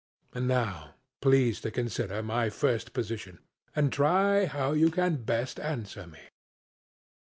And now please to consider my first position, and try how you can best answer me.